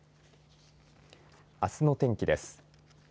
あすの天気です。